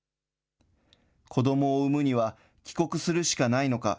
子どもを産むには、帰国するしかないのか。